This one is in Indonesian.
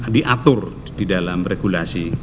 diatur di dalam regulasi